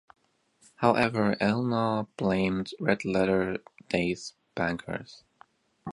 However, Elnaugh blamed Red Letter Days' bankers.